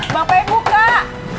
mbak pei buka